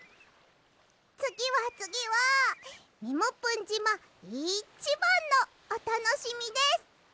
つぎはつぎはみもぷんじまいちばんのおたのしみです！